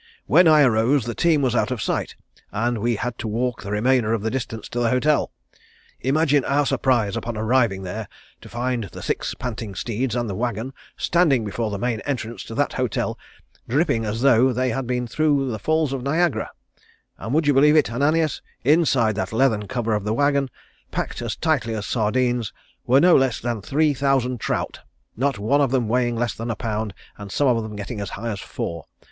When I arose the team was out of sight and we had to walk the remainder of the distance to the hotel. Imagine our surprise upon arriving there to find the six panting steeds and the wagon standing before the main entrance to the hotel dripping as though they had been through the Falls of Niagara, and, would you believe it, Ananias, inside that leather cover of the wagon, packed as tightly as sardines, were no less than three thousand trout, not one of them weighing less than a pound and some of them getting as high as four.